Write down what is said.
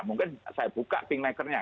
mungkin saya buka kingmakernya